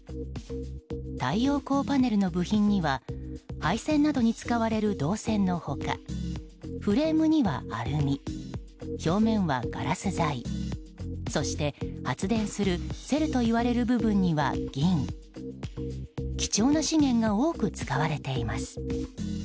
太陽光パネルの部品には配線などに使われる銅線の他フレームにはアルミ表面はガラス材そして、発電するセルといわれる部分には銀貴重な資源が多く使われています。